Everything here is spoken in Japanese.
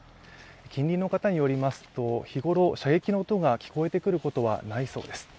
近隣の方によりますと、日頃、射撃の音が聞こえてくることはないそうです。